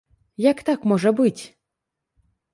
Як так можа быць?!